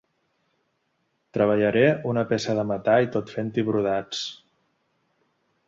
Treballaré una peça de metall tot fent-hi brodats.